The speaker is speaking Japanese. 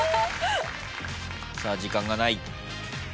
さあ時間がない。